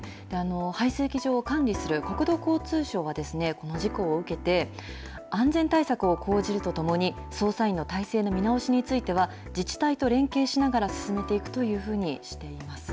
排水機場を管理する国土交通省は、この事故を受けて、安全対策を講じるとともに、操作員の体制の見直しについては、自治体と連携しながら進めていくというふうにしています。